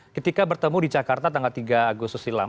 ketika bertemu di jakarta tanggal tiga agustus silam